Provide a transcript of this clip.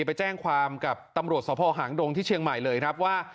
ไปแจ้งความกับตำรวจสภหางดงที่เชียงใหม่เลยครับว่า